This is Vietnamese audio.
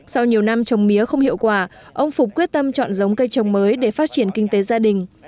sau nhiều năm trồng mía không hiệu quả ông phục quyết tâm chọn giống cây trồng mới để phát triển kinh tế gia đình